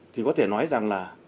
thì có thể nói rằng là